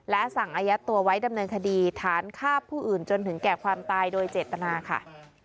และสั่งอายัดตัวไว้ดำเนินคดีฐานฆ่าผู้อื่นจนถึงแก่ความตายโดยเจตนาค่ะ